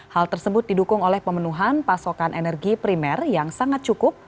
hal tersebut didukung oleh pemenuhan pasokan energi primer yang sangat cukup